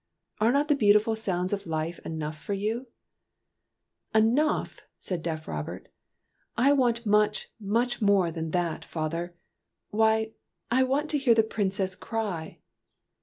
" Are not the beautiful sounds of life enough for you ?"" Enough ?" said deaf Robert. " I want much, much more than that, father. Why, I want to hear the Princess cry